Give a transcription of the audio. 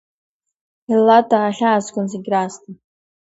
Елладаа хьаазгон зегь раасҭа…